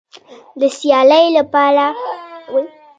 د سیالۍ لپاره لاړه